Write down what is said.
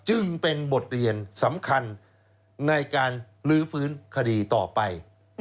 จึงเป็นบทเรียนสำคัญในการลื้อฟื้นคดีต่อไป